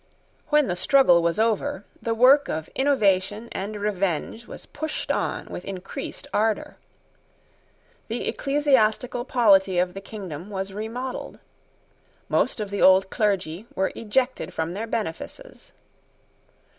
When the struggle was over, the work of innovation and revenge was pushed on with increased ardour. The ecclesiastical polity of the kingdom was remodelled. Most of the old clergy were ejected from their benefices.